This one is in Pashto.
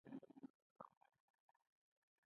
بخت بېرته یاري راسره وکړه.